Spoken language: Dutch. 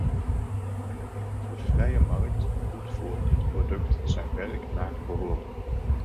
De vrije markt doet voor dit product zijn werk naar behoren.